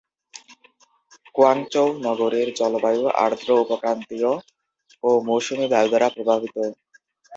Guangzhou নগরীর জলবায়ু আর্দ্র উপক্রান্তীয় ও মৌসুমী বায়ু দ্বারা প্রভাবিত।